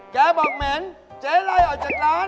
แจกบอกเหม็นเจ๋ลอะไรออกจากร้าน